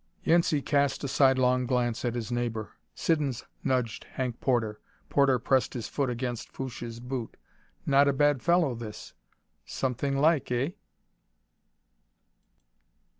Yancey cast a sidelong glance at his neighbor; Siddons nudged Hank Porter. Porter pressed his foot against Fouche's boot. Not a bad fellow, this. Something like, eh?